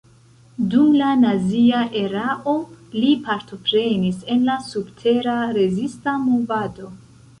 Dum la nazia erao li partoprenis en la subtera rezista movado.